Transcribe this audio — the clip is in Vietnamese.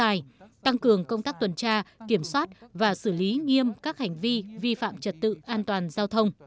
tăng cường công tác tuần tra kiểm soát và xử lý nghiêm các hành vi vi phạm trật tự an toàn giao thông